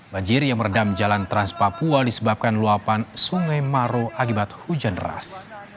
banjir yang merendam jalan trans papua disebabkan luapan sungai maro akibat hujan deras